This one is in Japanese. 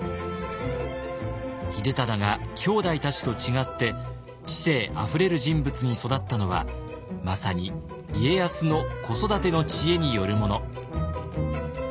秀忠がきょうだいたちと違って知性あふれる人物に育ったのはまさに家康の子育ての知恵によるもの。